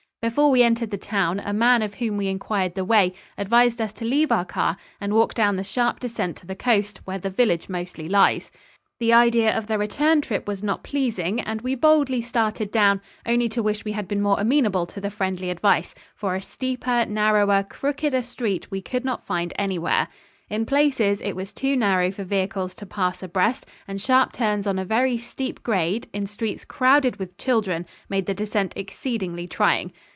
Before we entered the town a man of whom we inquired the way advised us to leave our car and walk down the sharp descent to the coast, where the village mostly lies. The idea of the return trip was not pleasing, and we boldly started down, only to wish we had been more amenable to the friendly advice, for a steeper, narrower, crookeder street we did not find anywhere. In places it was too narrow for vehicles to pass abreast, and sharp turns on a very steep grade, in streets crowded with children, made the descent exceedingly trying.